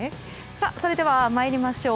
それでは参りましょう。